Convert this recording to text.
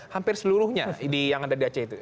hampir seluruhnya yang ada di aceh itu